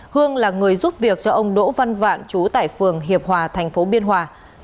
hương là người giúp việc cho ông đỗ văn vạn chú tại phường hiệp hòa tp biên hòa